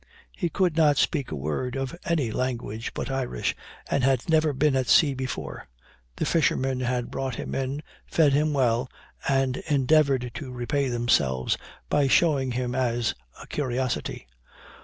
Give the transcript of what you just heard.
He could not speak a word of any language but Irish, and had never been at sea before: the fishermen had brought him in, fed him well, and endeavored to repay themselves by showing him as a curiosity.